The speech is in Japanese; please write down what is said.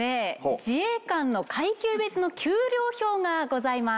自衛官の階級別の給料表がございます。